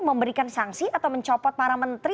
memberikan sanksi atau mencopot para menteri